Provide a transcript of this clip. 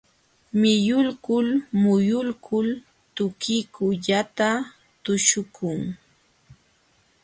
Miyulkul muyulkul tukitukillata tuśhukun.